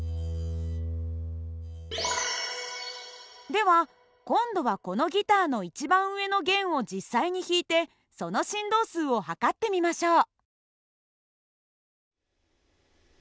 では今度はこのギターの一番上の弦を実際に弾いてその振動数を測ってみましょう。